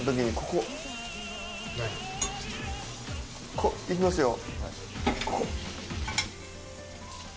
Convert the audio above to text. ここいきますよ。